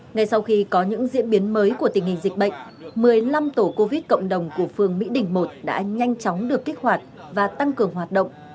ngay sau khi có những diễn biến mới của tình hình dịch bệnh một mươi năm tổ covid cộng đồng của phương mỹ đình một đã nhanh chóng được kích hoạt và tăng cường hoạt động